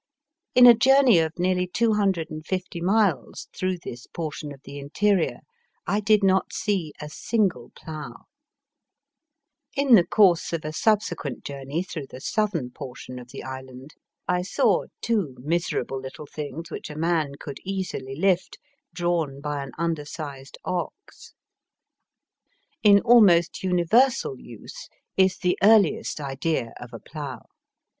In a journey of nearly two hundred and fifty miles through this por tion of the interior I did not see a single plough. In the course of a subsequent journey through the southern portion of the Digitized by VjOOQIC 240 EAST BY WEST. island I saw two miserable little things which a man could easily lift, drawn by an undersized ox. In almost universal use is the earliest idea of a plough.